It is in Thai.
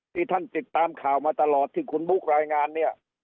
ที่ท่านติดตามข่าวมาตลอดที่คุณบุ๊ครายงานเนี่ย